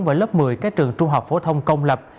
với lớp một mươi cái trường trung học phổ thông công lập